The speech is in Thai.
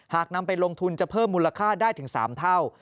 หากนำไปลงทุนจะเพิ่มมูลค่าได้ถึง๓เท่า